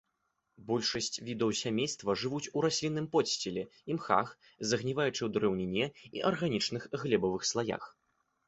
Большасць відаў сямейства жывуць у раслінным подсціле, імхах, загніваючай драўніне і арганічных глебавых слаях.